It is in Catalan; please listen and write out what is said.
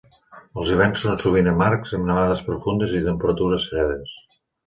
Els hiverns són sovint amargs amb nevades profundes i temperatures fredes.